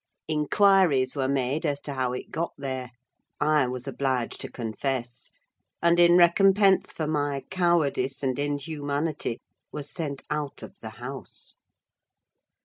Inquiries were made as to how it got there; I was obliged to confess, and in recompense for my cowardice and inhumanity was sent out of the house.